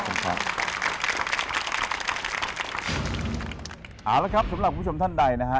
เอาละครับสำหรับคุณผู้ชมท่านใดนะฮะ